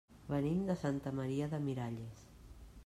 Venim de Santa Maria de Miralles.